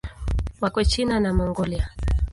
Wako China na Mongolia.